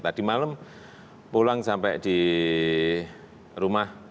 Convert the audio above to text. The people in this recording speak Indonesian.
tadi malam pulang sampai di rumah